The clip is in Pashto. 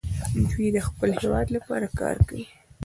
دوی د خپل هېواد لپاره کار کوي.